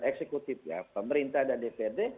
eksekutifnya pemerintah dan dprd